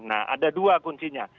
nah ada dua kuncinya